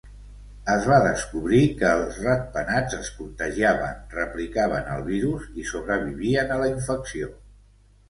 Es va descobrir que els ratpenats es contagiaven, replicaven el virus i sobrevivien a la infecció.